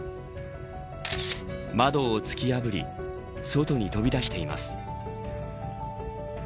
窓を突き破り外に飛び出しています。